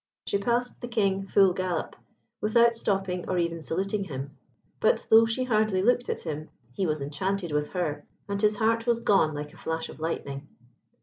She passed the King full gallop, without stopping or even saluting him; but though she hardly looked at him, he was enchanted with her, and his heart was gone like a flash of lightning.